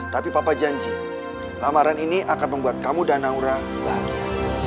tapi papa janji lamaran ini akan membuat kamu dan naura bahagia